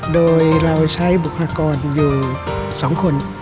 โดยเราใช้บุคลากรอยู่๒คน